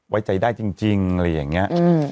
ไว้ใจได้จริงอะไรอย่างนี้